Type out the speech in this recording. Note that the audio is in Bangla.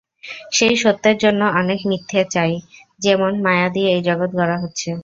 সেই সত্যের জন্যে অনেক মিথ্যে চাই, যেমন মায়া দিয়ে এই জগৎ গড়া হচ্ছে।